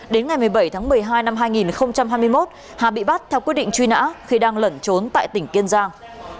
đến ngày một mươi bảy tháng một mươi hai năm hai nghìn hai mươi một hà bị bắt theo quyết định truy nã khi đang lẩn trốn tại tỉnh kiên giang